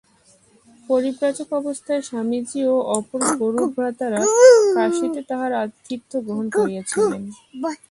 পরিব্রাজক অবস্থায় স্বামীজী ও অপর গুরুভ্রাতারা কাশীতে তাঁহার আতিথ্য গ্রহণ করিয়াছিলেন।